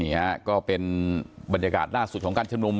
ก็เป็นบรรยากาศล่าสุดของการชุมนุม